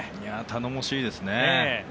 頼もしいですね。